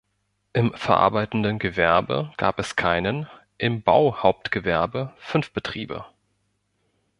Im verarbeitenden Gewerbe gab es keinen, im Bauhauptgewerbe fünf Betriebe.